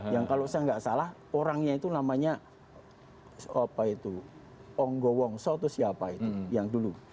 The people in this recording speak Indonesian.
yang kalau saya tidak salah orangnya itu namanya apa itu onggowong soe to siapa itu yang dulu